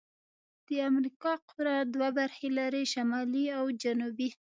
د امریکا قاره دوه برخې لري: شمالي او جنوبي.